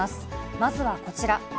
まずはこちら。